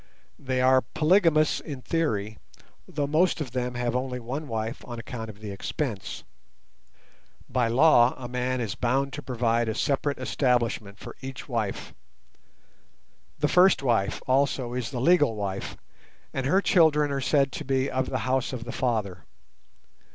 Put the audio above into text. They are polygamous in theory, though most of them have only one wife on account of the expense. By law a man is bound to provide a separate establishment for each wife. The first wife also is the legal wife, and her children are said to be "of the house of the Father".